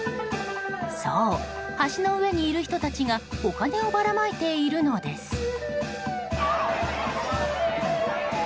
そう、橋の上にいる人たちがお金をばらまいているのです。